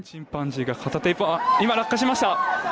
cimpansi yang satu tipe sekarang terjatuh